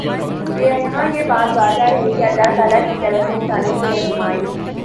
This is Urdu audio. یہاں یہ بات واضح رہے کہ اللہ تعالیٰ کی طرف سے انسانوں کی رہنمائی